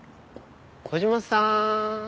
小島さん。